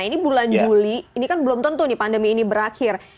ini bulan juli ini kan belum tentu nih pandemi ini berakhir